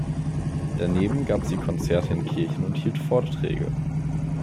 Daneben gab sie Konzerte in Kirchen und hielt Vorträge.